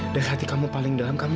dari hati kamu paling dalam kamu